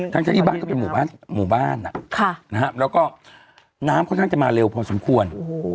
ทั้งที่บ้านก็เป็นหมู่บ้านแล้วก็น้ำค่อนข้างจะมาเร็วพอสมควร